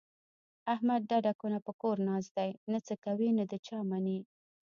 احمد ډډه کونه په کور ناست دی، نه څه کوي نه د چا مني.